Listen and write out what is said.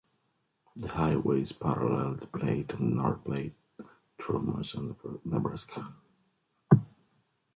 The highways parallel the Platte and the North Platte through much of Nebraska.